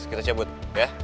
kita cabut ya